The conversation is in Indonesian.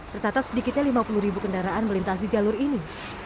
tercatat sedikitnya lima puluh ribu kendaraan melintasi jalur ini